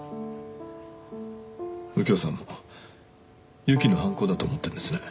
右京さんも侑希の犯行だと思っているんですね。